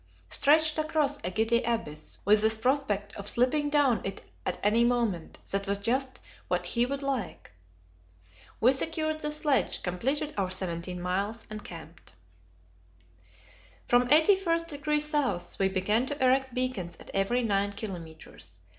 Stretched across a giddy abyss, with the prospect of slipping down it at any moment that was just what he would like. We secured the sledge, completed our seventeen miles, and camped. From 81° S. we began to erect beacons at every nine kilometres.